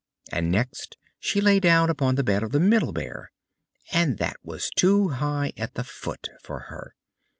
And next she lay down upon the bed of the Middle Bear, and that was too high at the foot for her.